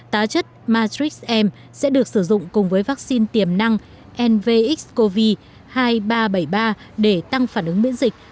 tá chất matrix m sẽ được sử dụng cùng với vaccine tiềm năng nvx cov hai nghìn ba trăm bảy mươi ba để tăng phản ứng miễn dịch